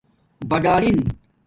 بٹݻن